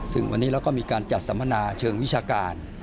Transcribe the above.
ซึ่งวันนี้เราก็มีการจัดสัมมนาเชิงวิชาการ